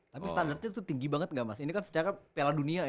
tapi standarnya tuh tinggi banget gak mas ini kan secara pela dunia ya